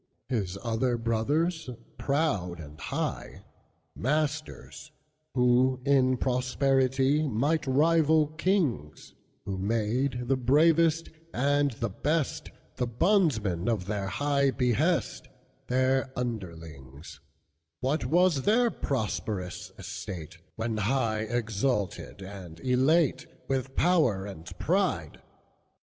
His other brothers, proud and high, Masters, who, in prosperity, Might rival kings; Who made the bravest and the bestThe bondsmen of their high behest, Their underlings; What was their prosperous estate, When high exalted and elateWith power and pride?